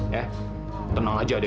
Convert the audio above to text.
ya tenang aja deh